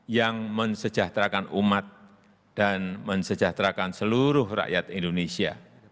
yang mensejahterakan umat dan mensejahterakan seluruh rakyat indonesia